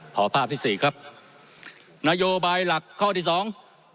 ภาพที่สี่ครับนโยบายหลักข้อที่สอง